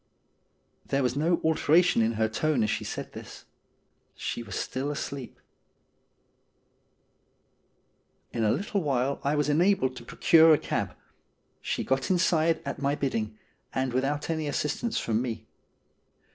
'' There was no alteration in her tone as she said this. She was still asleep. In a little while I was enabled to procure a cab. She got inside at my bidding, and without any assist ance from me.